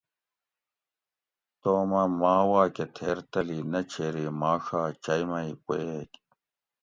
توم اٞ ما واکہ تھیر تلی نہ چھیری ما ݭا چئ مئ پوئیگ